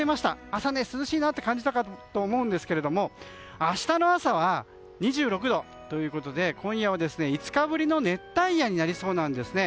朝、涼しいなと感じたかと思うんですが明日の朝は２６度ということで今夜は５日ぶりの熱帯夜になりそうなんです。